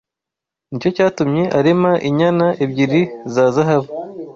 Ni cyo cyatumye arema inyana ebyiri za zahabu